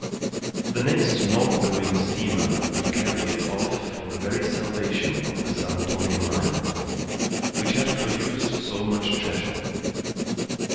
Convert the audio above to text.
The next north going steamer would carry it off for the very salvation of the San Tome mine, which had produced so much treasure.